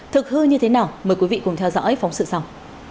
thực hư như thế nào mời quý vị cùng theo dõi phóng sự sau